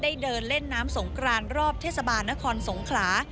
ได้เดินเล่นน้ำสงครานรอบเทศบานคลนสงครา